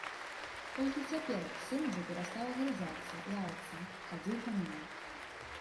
Толькі цяпер сын ужо перастаў агрызацца, лаяцца, хадзіў пануры.